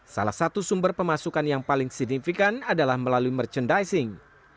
salah satu sumber pemasukan yang paling signifikan adalah melalui merchandizing